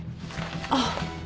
あっ。